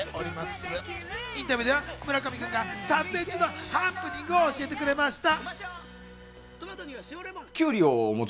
インタビューでは村上君が撮影中のハプニングを教えてくれました。